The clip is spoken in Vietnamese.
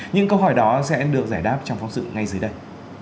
những câu hỏi đó sẽ được giải đáp trong phóng sự ngay dưới đây